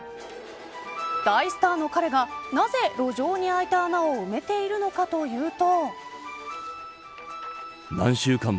大スターの彼がなぜ路上に開いた穴を埋めているのかというと。